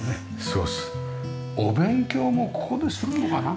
お勉強もここでするのかな？